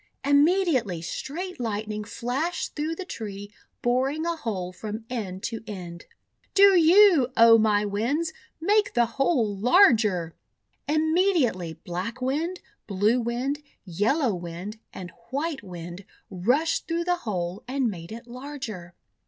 Immediately Straight Lightning flashed through the tree, boring a hole from end to end. :'Do you, O my Winds, make the hole larger!" Inimediatelv Black Wind, Blue Wind, Yellow t/ x Wind, and White Wind rushed through the hole and made it larger.